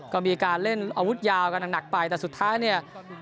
ก็มีการเล่นอาวุธยาวกันหนักไปแต่สุดท้ายเนี่ย